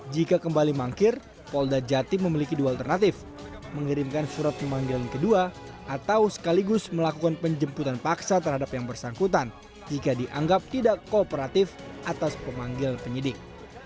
jika kembali mangkir polda jatim memiliki dua alternatif mengirimkan surat pemanggilan kedua atau sekaligus melakukan penjemputan paksa terhadap yang bersangkutan jika dianggap tidak kooperatif atas pemanggilan penyidik